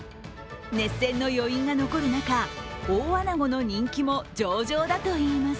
熱戦の余韻が残る中、大あなごの人気も上々だといいます。